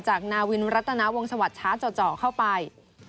จากนาวินรัตนาวงศวรรษช้าเจาะเข้าไป